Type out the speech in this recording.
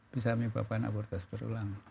bisa menyebabkan abortus berulang